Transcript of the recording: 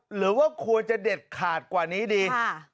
หรือว่าควรจะเด็ดขาดกว่านี้ดี